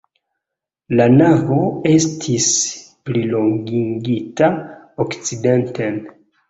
La navo estis plilongigita okcidenten.